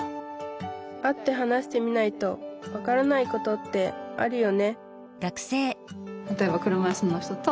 会って話してみないと分からないことってあるよね